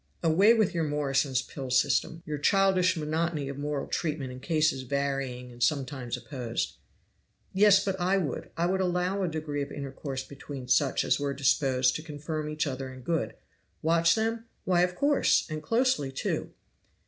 Away with your Morrison's pill system; your childish monotony of moral treatment in cases varying and sometimes opposed. "Yes, but I would. I would allow a degree of intercourse between such as were disposed to confirm each other in good. Watch them? why, of course and closely, too.